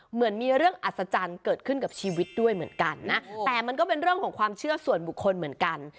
เหมือนมีเรื่องอัศจรรย์เกิดขึ้นกับชีวิตด้วยเหมือนกันนะแต่มันก็เป็นเรื่องของความเชื่อส่วนบุคคลเหมือนกัน